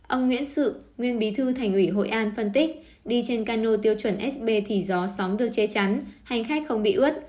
ông nguyễn sự nguyên bí thư thành ủy hội an phân tích đi trên cano tiêu chuẩn sb thì gió sóng được che chắn hành khách không bị ướt